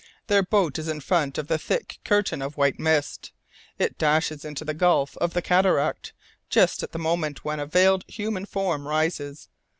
Their boat is in front of the thick curtain of white mist; it dashes into the gulf of the cataract just at the moment when a veiled human form rises.